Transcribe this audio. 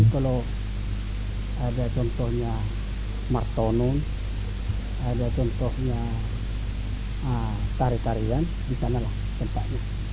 mulai dari sisingamaraja i sampai sisingamaraja ii